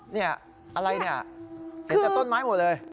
นี่อะไรเนี่ยเห็นแต่ต้นไม้หมดเลย